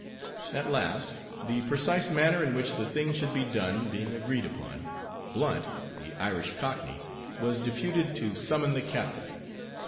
At last, the precise manner in which the thing should be done being agreed upon, Blunt, the "Irish cockney," was deputed to summon the captain.